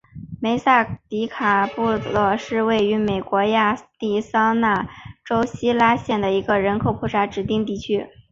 梅萨迪卡布洛是位于美国亚利桑那州希拉县的一个人口普查指定地区。